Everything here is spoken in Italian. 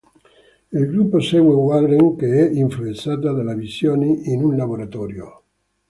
Il gruppo segue Warren che è influenzata dalle visioni, in un laboratorio.